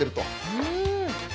うん！